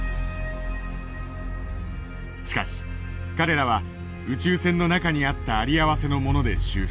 しかし彼らは宇宙船の中にあった有り合わせのもので修復。